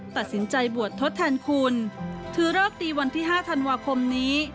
ตัดสินใจบวชทดแทนคุณถือเลิกดีวันที่๕ธันวาคมนี้